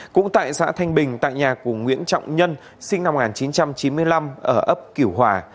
cũng tại xã thanh bình tại nhà của nguyễn trọng nhân sinh năm một nghìn chín trăm chín mươi năm ở ấp kiểu hòa